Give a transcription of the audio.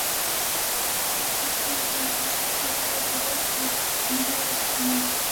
Such a torch is associated with the Greek god of marriage Hymen.